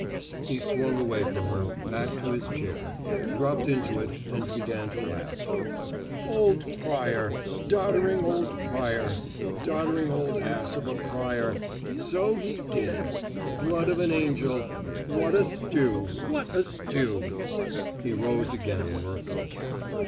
He swung away from her, back to his chair, dropped into it and began to laugh. "Old Pryor! Doddering old Pryor! Doddering old ass of a Pryor! So he did! Blood of an angel! what a stew, what a stew!" He rose again, mirthless.